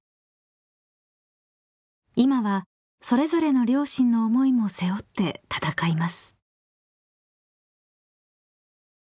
［今はそれぞれの両親の思いも背負って戦います］